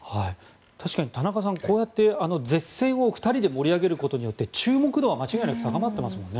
確かに田中さんこうやって舌戦を２人で盛り上げることによって注目度は間違いなく高まってますもんね。